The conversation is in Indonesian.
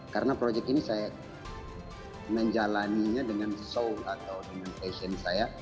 karena proyek ini saya menjalannya dengan soul atau dengan passion saya